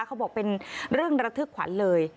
เขาบอกเป็นเรื่องระทึกขวัญเลย